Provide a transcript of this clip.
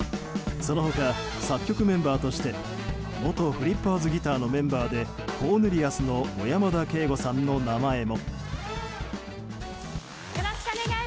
その他、作曲メンバーとして元フリッパーズ・ギターのメンバーでコーネリアスの小山田圭吾さんの名前も。